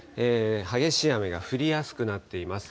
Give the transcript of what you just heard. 激しい雨が降りやすくなっています。